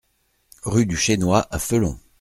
Rue du Chénois à Felon